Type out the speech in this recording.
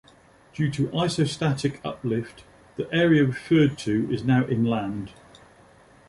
Due to isostatic uplift, the area referred to is now inland.